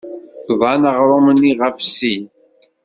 Bḍan aɣrum-nni ɣef sin.